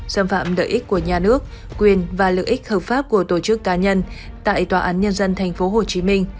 xâm phạm lợi ích của nhà nước quyền và lợi ích hợp pháp của tổ chức cá nhân tại tòa án nhân dân tp hcm